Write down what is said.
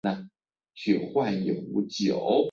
某些国家的警告标志是菱形的。